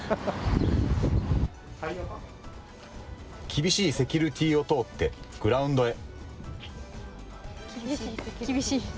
厳しいセキュリティーを通ってグラウンドへ。